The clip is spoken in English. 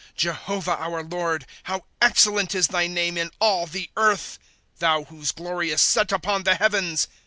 ' Jehovah, our Lord, How excellent is thy name in all the earth ; Thou whose glory is set upon the heavens